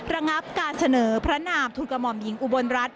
ระงับการเสนอพระนามทุนกระหม่อมหญิงอุบลรัฐ